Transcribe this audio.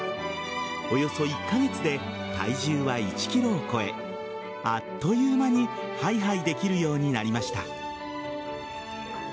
およそ１カ月で体重は１ｋｇを超えあっという間にハイハイできるようになりました。